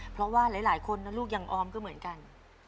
เพราะว่าหลายคนนะลูกอย่างออมก็เหมือนกัน